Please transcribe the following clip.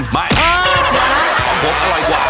ไม่ของผมอร่อยกว่า